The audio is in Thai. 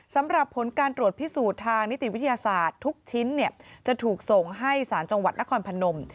สำหรับผลการตรวจพิสูจน์ทางนิติวิทยาศาสตร์ทุกชิ้นจะถูกส่งให้สารจังหวัดนครพนม